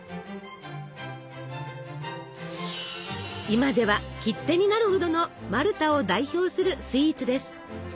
今では切手になるほどのマルタを代表するスイーツです。